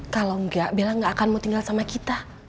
kalau enggak bella gak akan mau tinggal sama kita